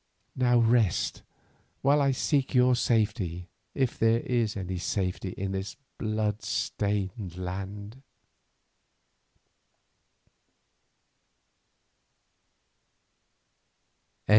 Now rest while I seek your safety, if there is any safety in this blood stained land."